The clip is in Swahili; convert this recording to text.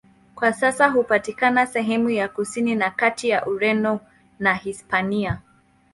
Kwa sasa hupatikana sehemu ya kusini na kati ya Ureno na Hispania.